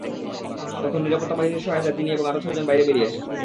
তখন নিরাপত্তা বাহিনীর সহায়তায় তিনি এবং আরও ছয়জন বাইরে বেরিয়ে আসেন।